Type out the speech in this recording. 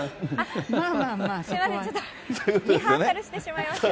すみません、ちょっとリハーサルしてしまいまして。